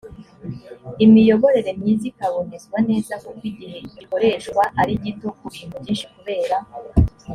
imiyoborere myiza ikabonezwa neza kuko igihe gikoreshwa ari gito ku bintu byinshi kubera